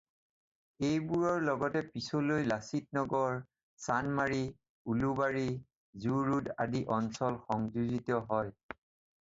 এইবোৰৰ লগতে পিছলৈ লাচিত নগৰ, চান্দমাৰী, উলুবাৰী, জু ৰোড আদি অঞ্চল সংযোজিত হয়।